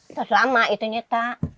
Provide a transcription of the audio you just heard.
udah lama itu nyata